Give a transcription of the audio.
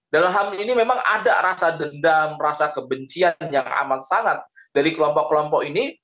dalam hal ini memang ada rasa dendam rasa kebencian yang aman sangat dari kelompok kelompok ini